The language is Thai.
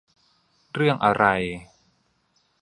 เรื่องอะไร